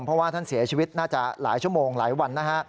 เพราะว่าท่านเสียชีวิตน่าจะหลายชั่วโมงหลายวันนะฮะ